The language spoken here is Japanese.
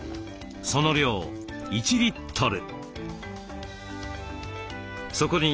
その量１リットル。